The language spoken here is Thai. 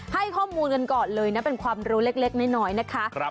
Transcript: ให้ข้อมูลกันก่อนเลยนะเป็นความรู้เล็กน้อยนะคะ